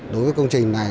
đối với công trình này